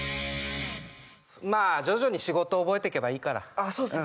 まあ徐々に仕事覚えてけばいいからそうっすね